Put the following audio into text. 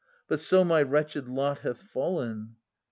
But so my wretched lot hath fallen.